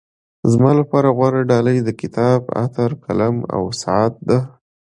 زما لپاره غوره ډالۍ د کتاب، عطر، قلم او ساعت ده.